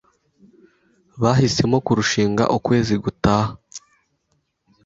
Bahisemo kurushinga ukwezi gutaha.